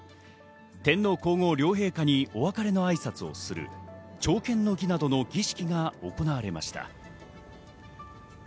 天皇皇后両陛下にお別れの挨拶をする朝見の儀などの儀式が行われました。